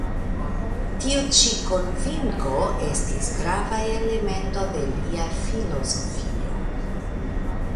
Tiu ĉi konvinko estis grava elemento de lia filozofio.